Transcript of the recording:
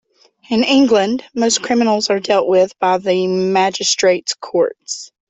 In England, most criminals are dealt with by the Magistrates’ Courts.